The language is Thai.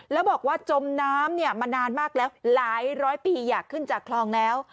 แล้วบอกว่าจมน้ำมานานมากแล้วหลายร้อยปีอยากขึ้นจากคลองแล้ว